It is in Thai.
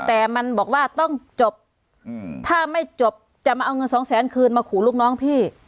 แต่มันบอกว่าต้องจบถ้าไม่จบจะมาเอาเงินสองแสนคืนมาขู่ลูกน้องพี่